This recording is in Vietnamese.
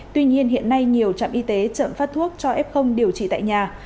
tuy nhiên hiện nay nhiều trạm y tế chậm phát thuốc cho ép không điều trị tại nhà